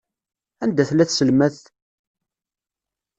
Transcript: Anda tella tselmadt?